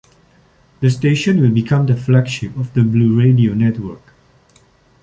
The station will become the flagship of the Bluradio network.